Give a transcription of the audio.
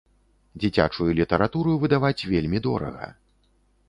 Дзіцячую літаратуру выдаваць вельмі дорага.